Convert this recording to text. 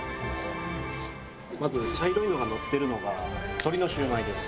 まず茶色いのがのってるのが鶏のシュウマイです。